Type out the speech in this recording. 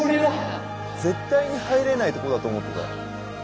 絶対に入れないとこだと思った。